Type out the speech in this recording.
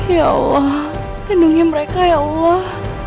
ya allah lindungi mereka ya allah